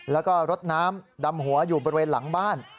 แล้วก็รดน้ำดำหัวอยู่บริเวณหลังบ้าน